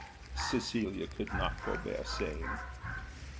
Cecilia could not forbear saying.